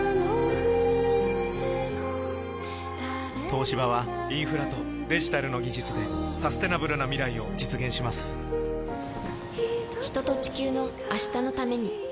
東芝はインフラとデジタルの技術でサステナブルな未来を実現します人と、地球の、明日のために。